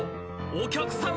お客さん